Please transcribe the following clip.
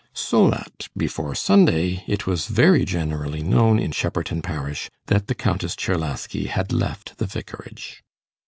So that, before Sunday, it was very generally known in Shepperton parish that the Countess Czerlaski had left the Vicarage.